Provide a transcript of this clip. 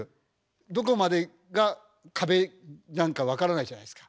どこまでが壁なんか分からないじゃないですか。